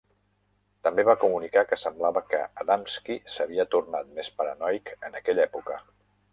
També va comunicar que semblava que Adamski s'havia tornat més paranoic en aquella època.